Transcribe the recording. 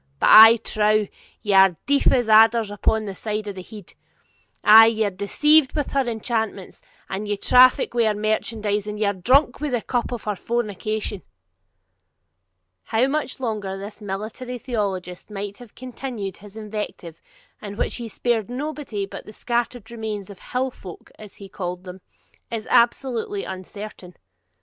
But, I trow, ye are deaf as adders upon that side of the head; ay, ye are deceived with her enchantments, and ye traffic with her merchandise, and ye are drunk with the cup of her fornication!' How much longer this military theologist might have continued his invective, in which he spared nobody but the scattered remnant of HILL FOLK, as he called them, is absolutely uncertain.